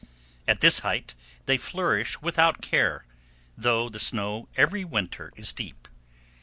At this height they flourish without care, though the snow every winter is deep.